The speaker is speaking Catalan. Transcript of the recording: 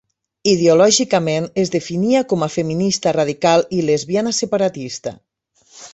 Ideològicament, es definia com a feminista radical i lesbiana separatista.